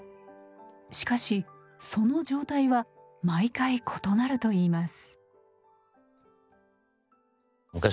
しかしその状態は毎回異なると言います。